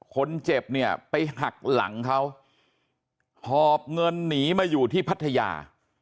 คนเจ็บเนี่ยไปหักหลังเขาหอบเงินหนีมาอยู่ที่พัทยา